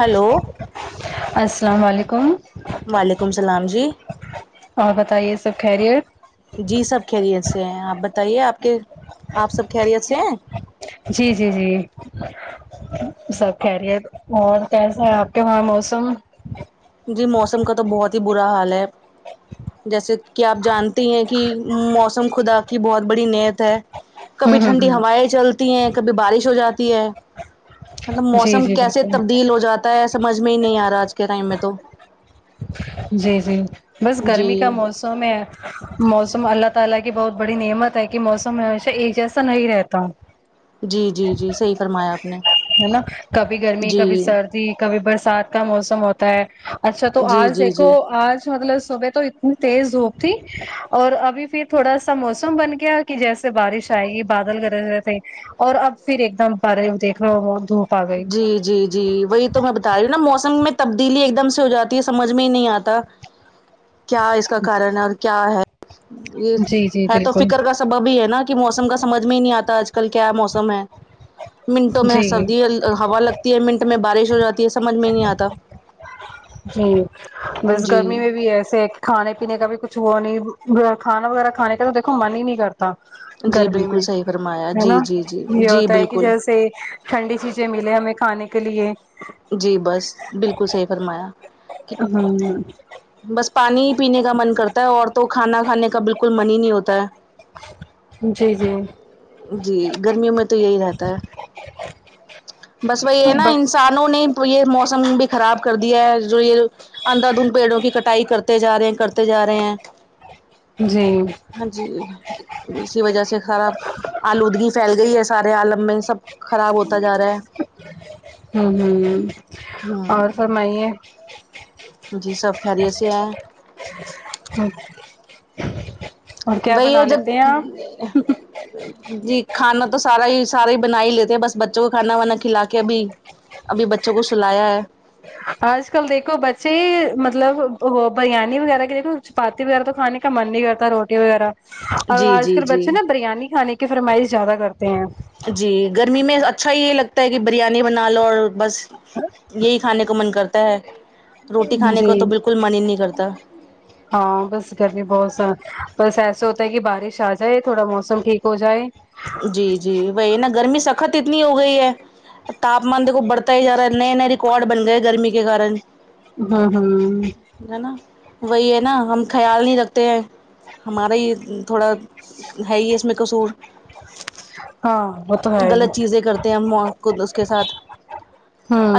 hello السلام وعلیکم وعلیکم السلام جی اور بتائیے سب خیریت جی سب خیریت سے ہیں آپ بتائیے آپ کے آپ سب خیریت سے ہیں جی جی جی سب خیریت اور کیسا ہے آپ کے وہاں موسم جی موسم کا تو بہت ہی برا حال ہے جیسے کہ آپ جانتے ہیں کہ موسم خدا کی بہت بڑی نیت ہے کبھی ہوں ہوں ٹھنڈی ہوں ہوائیں چلتی ہیں کبھی بارش ہو جاتی ہے مطلب جی موسم جی کیسے بالکل تبدیل ہو جاتا ہے سمجھ میں ہی نہیں آ رہا آج کے ٹائم میں تو جی جی بس جی گرمی کا موسم سم موسم اللہ تعالی کی بہت بڑی نعمت ہے کہ موسم ہمیشہ ایک جیسا نہیں رہتا [inaudible] جی جی جی صحیح فرمایا اپ نے ہے نا کبھی گرمی جی کبھی سردی کبھی برسات کا موسم ہوتا ہے اچھا تو جی آج جی دیکھو جی آج مطلب صبح تو اتنی تیز دھوپ تھی اور ابھی پھر تھوڑا سا موسم بن گیا کہ جیس سے بارش آئے گی بادل گرج رہے تھے اور اب پھر ایک دم بارف دیکھ رہو ہو بہت دھوپ آ گئی جی جی جی وہی تو میں بتا رہی ہوں نا موسم میں تبدیلی ایک دم سے ہو جاتی ہے سمجھ میں ہی نہیں آتا کیا اس کا کارن ہے اور کیا ہے یہ جی جی ہے تو بالکل فکر کا سبب ہی ہے نا کہ موسم کا سمجھ میں ہی نہیں آتا آج کل کیا موسم ہے منٹوں میں جی سردی ہوا لگتی ہے منٹ میں بارش ہو جاتی ہے سمجھ میں نہیں آتا جی بس جی گرمی میں بھی بھی ایسے ایک کھانے پینے کا بھی کچھ وہ نہیں کھانا وغیرہ کھانے کا تو دیکھو من ہی نہیں کرتا تا جی گرمی بالکل میں صحیح فرمایا ہے نا جی جی جی یہ جی ہوتا ہے کہ بالکل جیسے سے ٹھنڈی چیزیں ملے ہمیں کھانے کے لیے جی بس بالکل صحیح فرمایا ہوں بس پانی ہی پینے کا من کرتا ہے اور تو کھانا کھانے کا بالکل من ہی نہیں ہوتا ہے جی جی جی گرمیوں میں تو یہی رہتا ہے بس وہی ہے نا بس انسانوں نے یہ موسم بھی خراب کر دیا ہے جو یہ اندھا دھند پیڑوں کی کٹائی کرتے جا رہے ہیں کرتے جا رہے ہیں جی ہاں جی اسی وجہ سے خرا آلودگی پھیل گئی ہے سارے آالم میں سب خراب ہوتا جا رہا ہے ہوں ہوں اور سر ہوں مائے جی سب خیریت سے ہے اور کیا وہی بنا ہے لیتے ہیں جب آپ جی کھانا تو سارا ہی سارا ہی بنا ہی لیتے بس بچوں کو کھانا وانا کھلا کے ابھی ابھی بچوں کو سلایا ہے آج کل دیکھو بچے مطلب وہ بریانی وغیرہ کے دیکھو چپاتی وغیرہ تو کانے کا من نہیں کرتا روٹی وغیرہ جی آج جی کل جی بچے نا بریانی کھانے کی فرمائش زیادہ کرتے ہیں جی گرمی میں اچھا ہی یے لگتا ہے کی بریانی بنا لو اور بس یہی کھانے کو من کرتا ہے روٹی کھانے کو جی تو بالکل من ہی نہیں کرتا ہاں بس گرمی بہت سہ بس ایسا ہوتا ہے کی بارش آ جائے تھوڑا موسم ٹھیک ہو جائے جی جی وہی نا گرمی سخت اتنی ہو گئی ہے تاپمان دیکھو بڑھتا ہی جا رہا ہے نئے نئے ریکارڈ بن گئے گرمی کے کارن ہمم ہمم ہے نا وہی ہے نا ہم خیال نہیں رکھتے ہیں ہمارا یہ تھوڑا ہے ہی اس میں کصور ہاں تو ہے ہی غلط چیزیں کرتے ہیں ہم خود اس کے ساتھ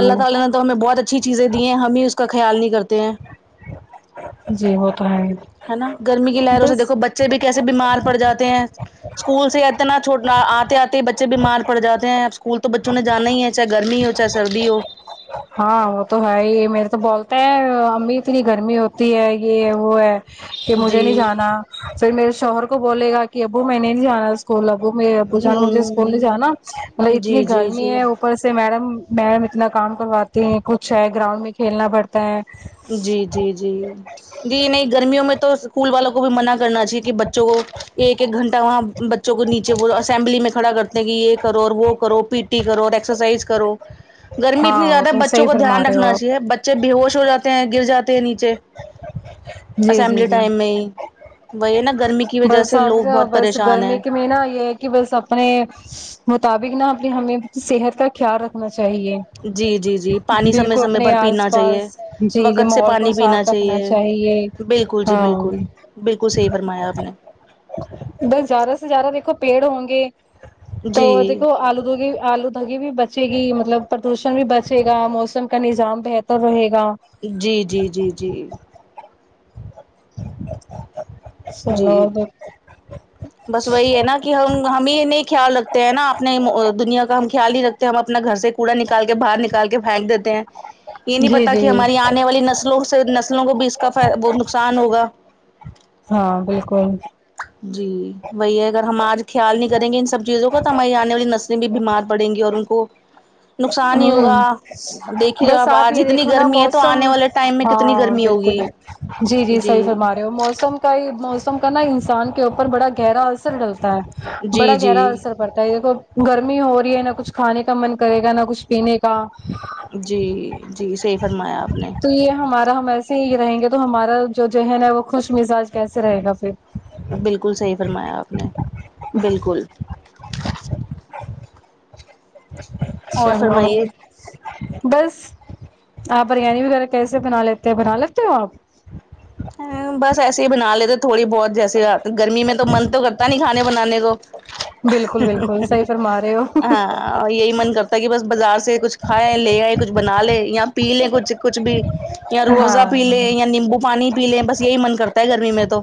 اللہ تعالی نے تو ہمیں بہت اچھی چیزیں دی ہیں ہم ہی اس کا خیال نہیں کرتے ہیں جی وہ تو ہے ہی، ہے نا گرمی کی لہر اس سے بس دیکھو بچ بچے بھی کیسے بیمار پڑ جاتے ہیں اسکول سے اتنا چھوٹنا آتے آتے بچ بچے بیمار پڑ جاتے ہیں اسکول تو بچوں نے جانا ہی چاہے گرمی ہو چاہے سردی ہو ہاں وہ تو ہے ہی میرے تو بولتے ہیں امی اتنی گرمی ہوتی ہے یے وہ ہے کہ مجھے نہیں جی جانا پھر میرے شوہر کو بولے گا کی ابو میں نے نہیں جانا اسکول ابو میرے ابو جان مجھے اسکول جانا مطلب جی جی اتنی گرمی جی ہے اوپر سے سے میڈم میڈم اتنا کام کرواتے ہیں کچھ ہے گراؤنڈ میں کھیلنا پڑتا ہے جی جی جی جی نہیں گرمیوں میں تو اسکول والوں کو بھی منع کرنا چاہی کی بچوں کو ایک ایک گھنٹہ وہاں بچوں کو نیچے وہ اسمبلی میں کھڑا کرتے ہیں کی یے کرو اور وہ کرو پیٹ ٹی کرو ایکسرسائز کرو گرمی ہاں اتنی وہ زیادہ ہے تو بچوں صحیح کو فرما دھیان رہے ہو رکھنا آپ چاہیے بچ چے بیہوش ہو جاتے ہیں گر جاتے ہیں نیچے جی جی اسمبلی جی ٹائم میں ہی وہی نا گرمی کی وجہ بس سے لوگ بہت بس پریشان گرمی ہیں کے میں نا یے کی بس اپنے مطابق نا اپنی ہمیں صحت کا خیال رکھنا چاہیے جی جی جی پانی سمے بالکل سمے اپنے پر پینا آس چاہیے پاس جی جی وقت سے ماحول کو پانی پینا صاف رکھنا چاہیے بالکل جی ہاں بالکل بالکل صحی فرمایا آپ نے بس زیادہ سے زیادہ دیکھو پیڑ ہوں گے تو جی دیکھو آلودو گے آلود تگی بھی بچے گی مطلب پردوشن بھی بچے گا موسم کا نظام بہتر رہے گا جی جی جی جی جی چلو بس وہی ہے نا کی ہم ہمیں نہیں خیال رکھتے ہیں نا اپنے دنیا کا ہم خیال ہی رکھ تے ہے ہم اپنا گھر سے کوڑا نکال کے باہر نکال کے پھینک دیتے ہیں یے نہیں جی پتا جی کے ہماری آنے والی نسلوں سے نسلوں کو بھی فائ اس کا بہت نقصان ہوگا ہاں بالکل جی وہی ہے اگر ہم آج خیال نہیں کریں گے ان سب چیزوں کا تو ہماری آنے والی نسلیں بھی بیمار پڑیں گی اور ان کو نقصان ہی ہمم ہوگا دیکھ ہی رہے ہو بس آپ آج یے اتنی دیکھو نا گرمی ہے تو موسم آنے والے ٹائم میں کتنی ہاں گرمی بالکل ہوگی بالکل جی جی صحیح فرما رہے ہو موسم کا موسم کا نا انسان کے اوپر بڑا گہرا اثر ڈلتا ہے جی بڑا گہرا جی اثر پڑتا ہے دیکھو گرمی ہو رہی ہے نہ کچھ کھانے کا من کرے گا نہ کچھ پینے کا جی جی صحیح فرمایا آپ نے تو یے ہمارا ہم ایسے ہی رہیں گے تو ہمارا جو ذہن ہے وہ خوش مزاج کیسے رہے گا پھر بالکل صحیح فرمایا آپ نے بالکل [inaudible] اور فرمائیے بس آپ بریانی وغیرہ کیسے بنا لیتے ہیں بنا لیتے ہو آپ ہاں بس ایسے ہی بنا لیتے تھوڑی بہت جیسے گرمی میں تو من تو کرتا نہیں کھانے بنانے کو بالکل بالکل صحیح فرما رہے ہو ہاں اں یہی من کرتا ہے کہ بس بازار سے کچھ کھائے لے آے کچھ بنا لے یا پی لیں کچھ کچھ بھی روح افزا ہاں پی لیں یا لیمبو پانی پی لیں بس یہی من کرتا ہے گرمی میں تو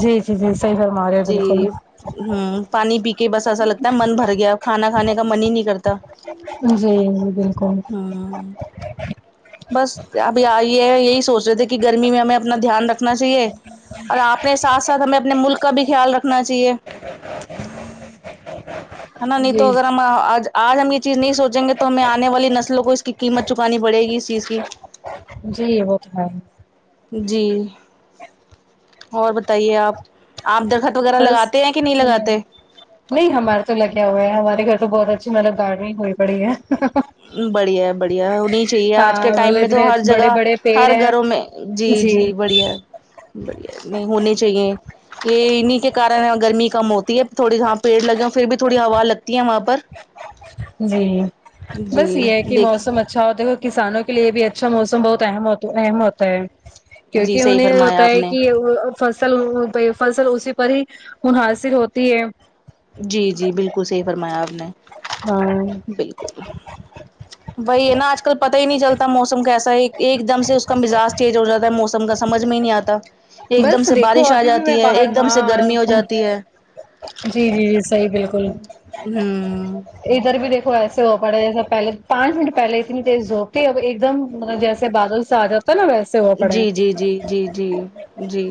جی جی جی صحیح فرما رہے ہو بالکل ہمم پانی پی کے بس ایسا لگتا ہے من بھر گیا کھانا کھانے کا من ہی نہیں کرتا جی جی بالکل ہمم بس ت ابھی آئی ہے یہی سوچ رہے تھے کی گرمی میں ہمیں اب اپنا دھیان رکھنا چاہیے اور اپنے ساتھ ساتھ ہمیں اپنے ملک کا بھی خیال رکھنا چاہیے جی [unintelligible] ہاں آج آج ہم یہ چیز نہیں سوچیں گے تو ہمیں آنے والی نسلوں کو اس کی قیمت چکانی پڑے گی اس چیز کی جی وہ تو ہے جی اور بتائیے آپ آپ درخت وغیرہ بس لگاتے ہیں کہ نہیں ہمیں لگاتے نہیں ہمارے تو لگے ہوے ہیں ہمارے گھر تو بہت اچھی مطلب گارڈنگ ہوئی پڑی ہے [inaudible] بڑھیا بڑھیا ہونی چاہیے آج ہاں کے ٹائم مطلب میں تو اتنے ہر بڑے جگہ بڑے پیڑ ہر ہیں گھروں میں جی جی بڑھیا ہے بڑھیا نہیں ہونے چاہیے یہ انیں کے کارن گرمی کم ہوتی ہے تھوڑے یہاں پیڑ لگے ہیں پھر بھی تھوی ہوا لگتی ہے وہاں پر جی بس جی یہ ہے کہ دیکھ موسم اچھا ہوتا ہے اور کسانوں کے لیے بھی اچھا موسم بہت اہم ہو اہم ہوتا ہے جی کیونکہ صحیح انھیں یہ ہوتا فرمایا آپ ہے نے کہ ا اب فصل پہ فصل اسی پر ہی منحصر ہوتی ہے جی جی بالکل صحیح فرمایا آپ نے ہاں بالکل وہی ہے نا آج کل پتا ہی نہیں چلتا موسم کیسا ہے ایک دم سے اس کا مزاج چینج ہو جاتا ہے موسم کا سمجھ میں ہی نہیں آتا ایک دم بس سے دیکھو بارش آ ابھی بھی میں جاتی ہے باہر ایک دم سے ہاں گرمی ہو جاتی ہے جی جی صحیح کہے ہو ہوں ں ادھر بھی دیکھو ایسے ہو پڑے جس پہلے پانچ منٹ پہلے اتنی تیز دھوپ تھی اب ایک دم مطلب جیسے بادل سا آ جاتاہے نا ویسے ہو پڑے جی جی جی جی جی جی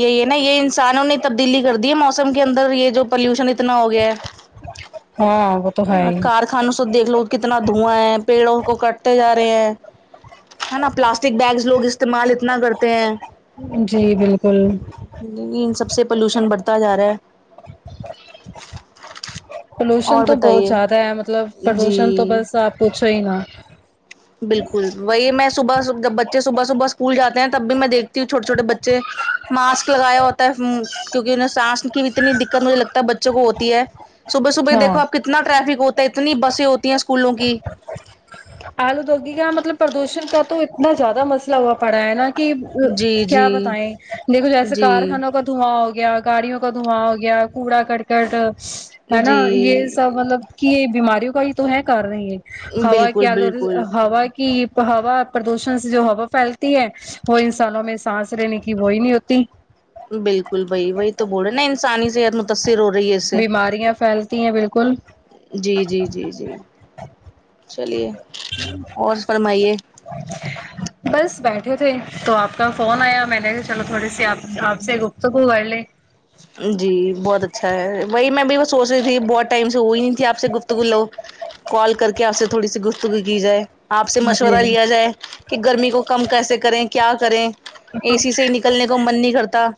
یہ نا یہ انسانوں نے تبدیلی کر دی ہے موسم کے اندر یہ جو پلیوشن اتنا ہو گیا ہے ہاں تو ہے ہی کارخانوں سے دیکھ لو کتنا دھواں ہے پیڑوں کو کٹتے جا رہے ہیں ہے ناں پلاسٹک بیگس لوگ استعمال اتنا کرتے ہیں جی بالکل لیکن سب سے پولوشن بڑھتا جا رہا ہے پولوشن اور تو بہت بتائیے زیادہ ہے مطلب پردوشن تو جی بس آپ پوچھو ہی نہ بالکل وہی میں صبح جب بچے صبح صبح اسکول جاتے ہیں تب بھی میں دیکھتی ہوں چھوٹے چھوٹے بچے ماسک لگایا ہوتا ہے کیونکہ انہیں سانس کی بھی اتنی دقت مجھے لگتا ہے بچوں کو ہوتی ہے صبح صبح دیکھو ہاں آپ کتنا ٹریفک ہوتا ہے اتنی بسیں ہوتی ہیں اسکولوں کی آلودوگی کا مطلب پردوشن کا تو اتنا زیادہ مسئلہ مسئلہ ہوا پڑا ہے ناں ک, ی جی کیا جی بتائیں دیکھو جیسے جی کارخانوں کا دھواں ہوگیا گاڑیوں کا دھواں ہوگیا کوڑا کرکٹ ہے نا یے جی سب مطلب کی یے بیماریوں کا یے تو ہے کارن یے بالکل بالکل ہوا کی ہوا پردوشن سے جو ہوا پھیلتی ہے وہ انسانوں میں سانس رہنے کی وہی نہیں ہوتی بالکل بھئی وہی تو بول‌ رہے ناں انسانی صحت متاثر ہو رہی ہے اس سے بیماریاں پھیلتی ہے جی جی جی جی چلیے اور فرمائیے بس بیٹھے تھے تو آپ کا فون آیا میں نے کہا چلو تھوڑی سی آپ آپ سے گفتگو کر لے جی بہت اچھا ہے وہی میں بھی وہ سوچ رہی تھی بہت ٹائم سے ہوئی نہیں تھی آپ سے گفتگو لو کال کرکے آپ سے تھوڑی سی گفتگو کی جائے آپ سے مشورہ جی لیا جائے کہ گرمی کو کم کیسے کریں کیا کریں اے سی سے ہی نکلنے کو من نہیں کرتا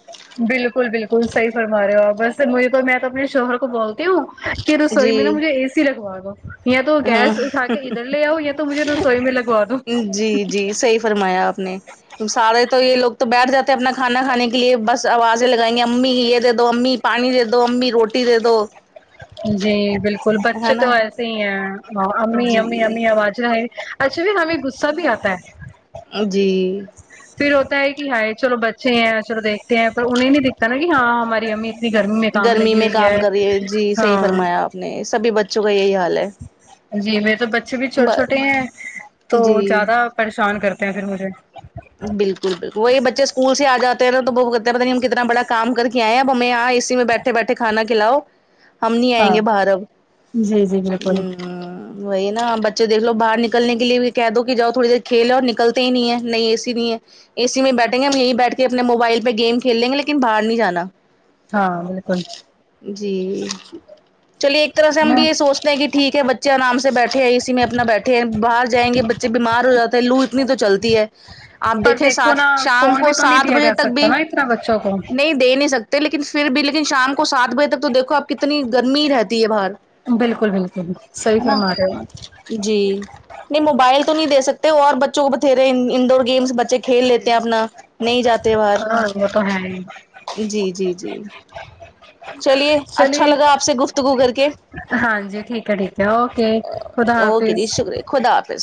بالکل بالکل صحیح فرما رہے ہو آپ ویسے مجھے تو میں تو اپنے شوہر کو بولتی ہوں کہ رسوئی میں نا جی مجھے اے سی لگوا دو یا تو ہاں گیس اٹھا کے ادھر لے آؤ یا تو مجھے رسوئی میں لگوا دو جی جی صحیح فرمایا آپ نے سارے تو یے لوگ تو بیٹھ جاتے ہیں اپنا کھانا کھانے کے لیے بس آوازیں لگائیں گے امی یے دے دو امی پانی دے دو امی روٹی دے دو جی بالکل ہے بچے تو نا ایسے ہی ہیں امی جی امی امی آواز اچھا بھی ہمیں غصہ بھی آتا ہے جی پھر ہوتا ہے کی ہائے چلو بچے ہیں چلو دیکھتے ہیں پر انہیں نہیں دکھتا نا کی ہاں ہماری امی اتنی گرمی میں کام گرمی لگی میں ہوئی کام کر رہی ہے جی صحیح ہاں فرمایا آپ نے سبھی بچوں کا یہی حال ہے جی میرے تو بچے بھی چھوٹے چھوٹے ہیں تو جی زیادہ پریشان کرتے ہیں پھر مجھے بالکل بالکل وہی بچے اسکول سے جاتے نا تو وہ کہتے پتہ نہیں ہم کتنا بڑا کام کر کے آئے ہیں اب ہم یہاں اے سی میں بیٹھے بیٹھے کانا کھلاؤ ہم نہیں آئیں ہاں گے باہر اب ہمم جی جی بالکل وہی نا بچے دیکھ لو باہر نکلنے کے لیے کہہ دو کی جاؤ تھوڑی دیر کھیل ہے اور نکلتے ہی نہیں ہے نہیں اے سی نہیں ہے اے سی میں بیٹھیں گے ہم یہیں بیٹھ کے اپنے موبائل پے گیم کھیل لیں گے لیکن باہر نہیں جانا ہاں بالکل جی چلیے ایک طرح سے ہم بھی یے سوچ ٹھیک ہے بچے آرام سے بیٹھے ہیں اسی میں اپنا بیٹھے ہیں باہر جیں گے بچے بیمار ہو جاتے ہیں لو اتنی تو چلتی ہے آپ پر دیکھیں دیکھو نا سات شام فون کو بھی تو نہیں سات دیا بجے جا تک سکتا بھی نا اتنا بچوں کو نہیں دے نہیں سکتے لیکن پھر بھی لیکن شام کو سات بجے تک تو دیکھو آپ کتنی گرمی رہتی ہے باہر بالکل بالکل صحیح ہے نا فرما رہے ہیں ہو آپ جی نہیں موبائل تو نہیں دے سکتے اور بچوں کو بتھیرے انڈور گیمس بچے کھیل لیتے ہیں اپنا نہیں جاتے باہر ہاں وہ تو ہے ہی جی جی جی چلیے اچھا چلیے لگا آپ سے گفتگو کر کے ہاں جی ٹھیک ہے ٹھیک ہے اوکے خدا اوکے حافظ جی شکریہ خدا حافظ